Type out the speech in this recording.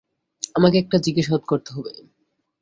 আমাকে শেষ একটা জিজ্ঞাসাবাদ করতে হবে।